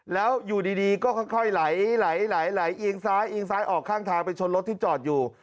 แล้วอยู่ดีก็ค่อยไหลเอียงซ้ายเอียงซ้ายออกข้างทางไปชนรถที่จอดอยู่